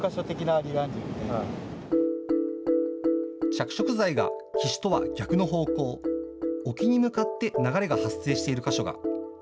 着色剤が岸とは逆の方向、沖に向かって流れが発生している箇所が。